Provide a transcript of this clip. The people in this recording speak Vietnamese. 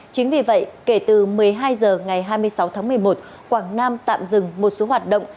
chính vì vậy kể từ một mươi hai h ngày hai mươi sáu tháng một mươi một quảng nam tạm dừng một số hoạt động